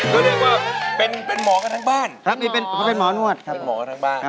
ก็เรียกว่าเป็นหมอกันทั้งบ้านครับเป็นหมอนวดครับหมอทั้งบ้าน